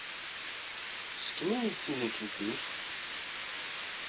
Ssken-iyi-d tidikelt-nnek.